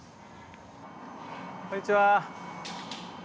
こんにちは。